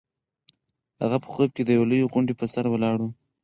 هغه په خوب کې د یوې لویې غونډۍ په سر ولاړه وه.